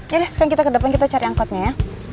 ya sekarang kita ke depan kita cari angkotnya ya